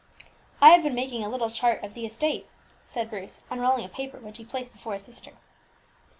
"I have been making a little chart of the estate," said Bruce, unrolling a paper which he placed before his sister.